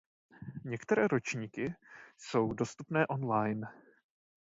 Některé ročníky jsou dostupné online.